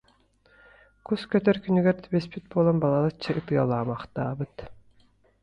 Кус көтөр күнүгэр түбэспит буолан, балачча ытыалаамахтаабыт.